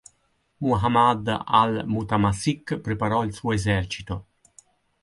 Muḥammad al-Mutamassik preparò il suo esercito.